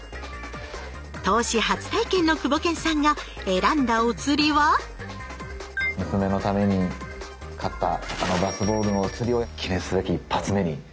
投資初体験のクボケンさんが選んだおつりは娘のために買ったあのバスボールのおつりを記念すべき１発目に！